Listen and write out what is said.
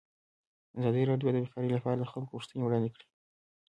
ازادي راډیو د بیکاري لپاره د خلکو غوښتنې وړاندې کړي.